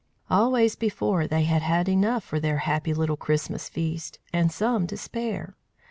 Always before they had had enough for their happy little Christmas feast, and some to spare.